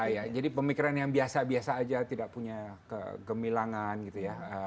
iya jadi pemikiran yang biasa biasa aja tidak punya kegemilangan gitu ya